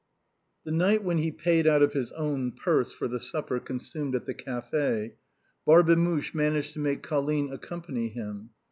The night when he paid ont of his own purse for the supper consumed at the café, Barbemuche managed to make Colline accompany him.